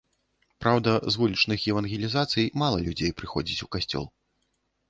Праўда, з вулічных евангелізацый мала людзей прыходзіць у касцёл.